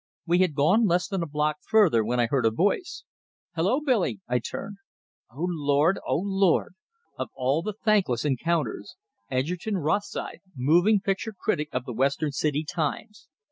We had gone less than a block further when I heard a voice, "Hello! Billy!" I turned. Oh, Lord! Oh, Lord! Of all the thankless encounters Edgerton Rosythe, moving picture critic of the Western City "Times."